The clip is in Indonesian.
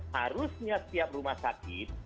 harusnya setiap rumah sakit